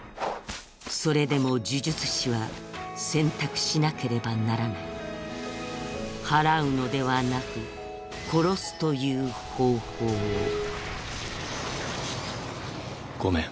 それでも呪術師は選択しなければならない祓うのではなく殺すという方法をごめん。